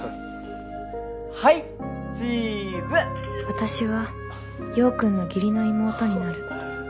私は陽君の義理の妹になる